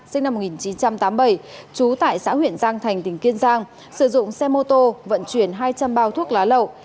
sinh năm một nghìn chín trăm tám mươi bảy trú tại xã huyện giang thành tỉnh kiên giang sử dụng xe mô tô vận chuyển hai trăm linh bao thuốc lá lậu